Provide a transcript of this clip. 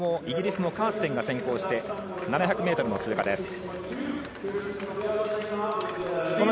イギリスのカーステン先行して７００ｍの通過。